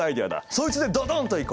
そいつでドドンといこう。